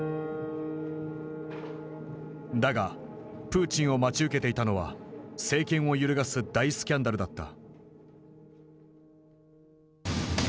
だがプーチンを待ち受けていたのは政権を揺るがす大スキャンダルだった。